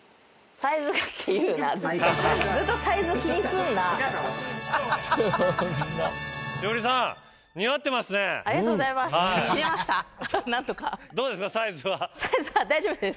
サイズは大丈夫です。